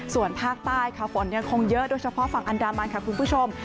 ส่วนภาคใต้ค่ะฝนยังคงเยอะโดยเฉพาะฝั่งอันดามันค่ะคุณผู้ชม